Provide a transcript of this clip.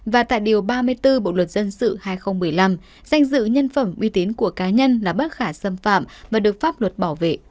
và tại điều ba mươi bốn bộ luật dân sự hai nghìn một mươi năm danh dự nhân phẩm uy tín của cá nhân là bất khả xâm phạm và được pháp luật bảo vệ